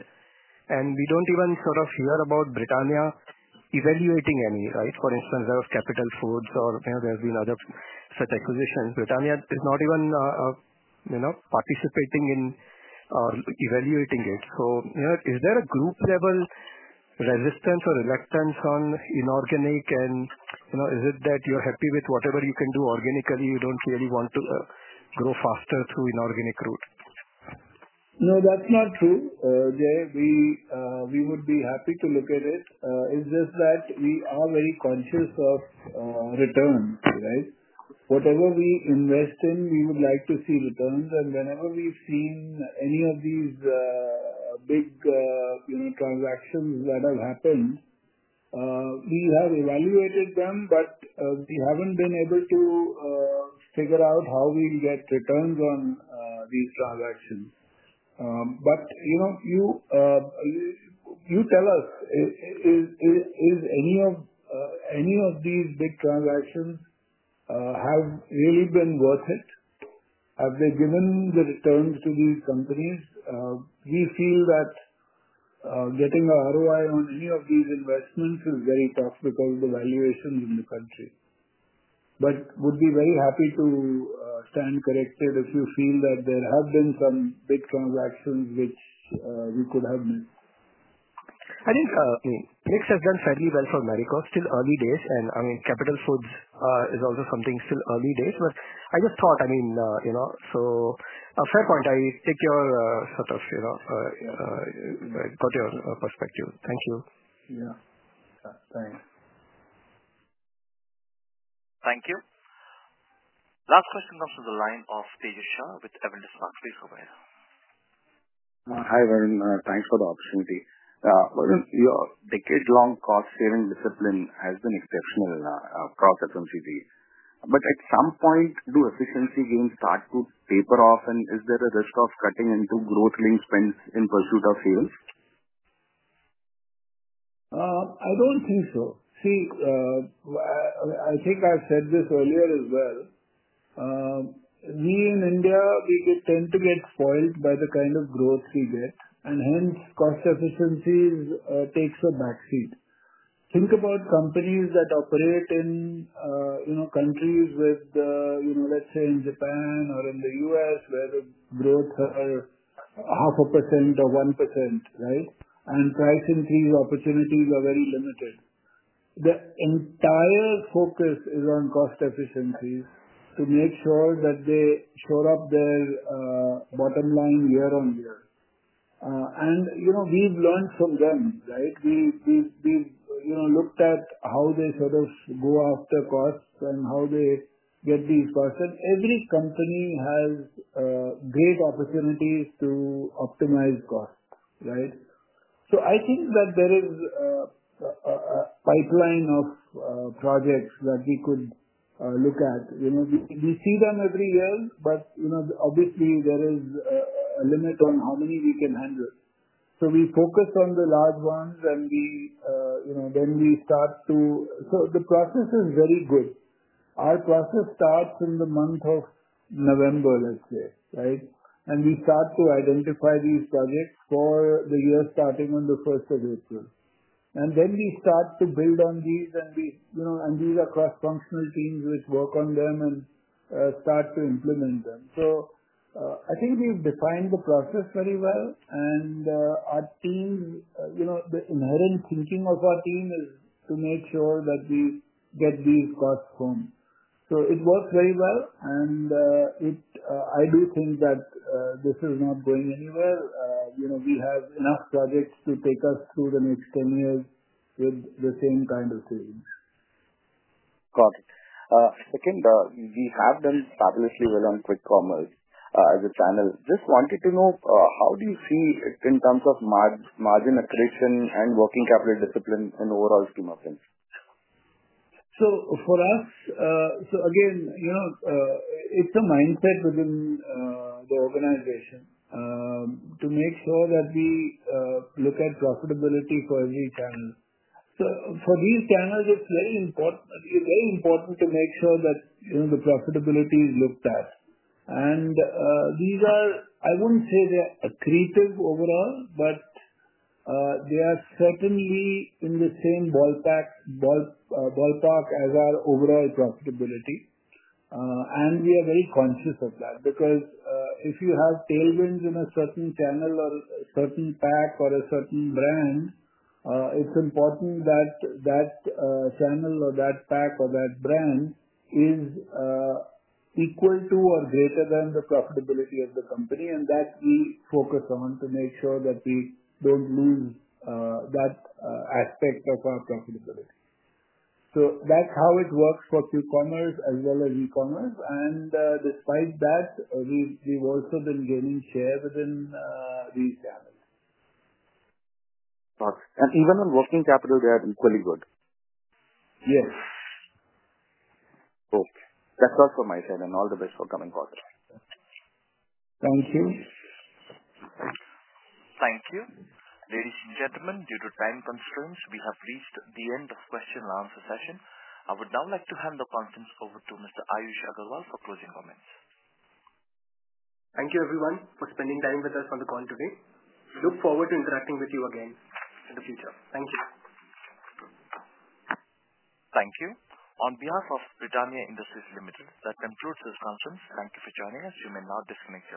We do not even sort of hear about Britannia evaluating any, right? For instance, there was Capital Foods or there have been other such acquisitions. Britannia is not even participating in evaluating it. Is there a group-level resistance or reluctance on inorganic, and is it that you are happy with whatever you can do organically? You do not really want to grow faster through inorganic route? No, that's not true. We would be happy to look at it. It's just that we are very conscious of return, right? Whatever we invest in, we would like to see returns. Whenever we've seen any of these big transactions that have happened, we have evaluated them, but we haven't been able to figure out how we'll get returns on these transactions. You tell us, have any of these big transactions really been worth it? Have they given the returns to these companies? We feel that getting an ROI on any of these investments is very tough because of the valuations in the country. We'd be very happy to stand corrected if you feel that there have been some big transactions which we could have missed. I think mix has done fairly well for Marico, still early days. I mean, Capital Foods is also something, still early days. I just thought, I mean, a fair point. I take your sort of got your perspective. Thank you. Yeah. Thanks. Thank you. Last question comes from the line of Tejas Shah with Avendus Spark. Please go ahead. Hi, Varun. Thanks for the opportunity. Your decade-long cost-saving discipline has been exceptional across FMCG. At some point, do efficiency gains start to taper off, and is there a risk of cutting into growth-linked spends in pursuit of sales? I don't think so. See, I think I've said this earlier as well. We in India, we tend to get spoiled by the kind of growth we get, and hence cost efficiencies take a backseat. Think about companies that operate in countries with, let's say, in Japan or in the U.S. where the growth are half a percent or 1%, right? And price increase opportunities are very limited. The entire focus is on cost efficiencies to make sure that they shore up their bottom line year on year. We've learned from them, right? We've looked at how they sort of go after costs and how they get these costs. Every company has great opportunities to optimize costs, right? I think that there is a pipeline of projects that we could look at. We see them every year, but obviously, there is a limit on how many we can handle. We focus on the large ones, and then we start to, so the process is very good. Our process starts in the month of November, let's say, right? We start to identify these projects for the year starting on the 1st of April. We start to build on these, and these are cross-functional teams which work on them and start to implement them. I think we've defined the process very well. Our team, the inherent thinking of our team is to make sure that we get these costs home. It works very well. I do think that this is not going anywhere. We have enough projects to take us through the next 10 years with the same kind of savings. Got it. Second, we have done fabulously well on quick commerce as a channel. Just wanted to know, how do you see it in terms of margin accretion and working capital discipline in the overall scheme of things? For us, again, it's a mindset within the organization to make sure that we look at profitability for every channel. For these channels, it's very important to make sure that the profitability is looked at. These are, I wouldn't say they're accretive overall, but they are certainly in the same ballpark as our overall profitability. We are very conscious of that because if you have tailwinds in a certain channel or a certain pack or a certain brand, it's important that that channel or that pack or that brand is equal to or greater than the profitability of the company. We focus on that to make sure that we don't lose that aspect of our profitability. That's how it works for Q-commerce as well as e-commerce. Despite that, we've also been gaining share within these channels. Got it. Even on working capital, they are equally good. Yes. Okay. That is all from my side. All the best for the coming quarter. Thank you. Thank you. Ladies and gentlemen, due to time constraints, we have reached the end of the question and answer session. I would now like to hand the conference over to Mr. Ayush Agarwal for closing comments. Thank you, everyone, for spending time with us on the call today. We look forward to interacting with you again in the future. Thank you. Thank you. On behalf of Britannia Industries Limited, that concludes this conference. Thank you for joining us. You may now disconnect.